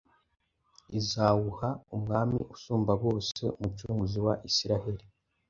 Izawuha Umwami usumba bose, Umucunguzi wa Isiraheli